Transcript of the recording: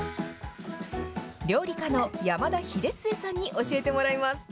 料理家の山田英季さんに教えてもらいます。